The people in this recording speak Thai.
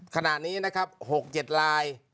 ขนาดนี้๖๗ลาย